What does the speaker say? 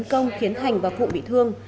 tấn công khiến thành và phụ bị thương